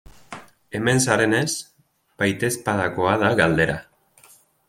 Hemen zarenez, baitezpadakoa da galdera.